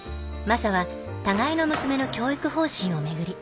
マサは互いの娘の教育方針を巡り